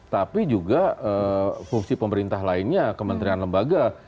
tapi juga fungsi pemerintah lainnya kementerian lembaga